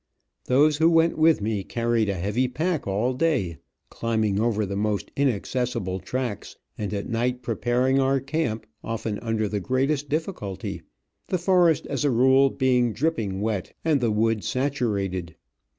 Those who went with me carried a heavy pack all day, climbing over the most inaccessible tracks, and at night preparing our camp, often under the greatest difficulty, the forest as a rule, being dripping wet and the wood saturated.